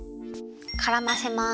からませます。